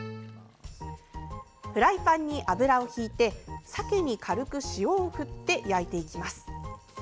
フライパンに油をひいてさけに軽く塩を振って焼いていきます。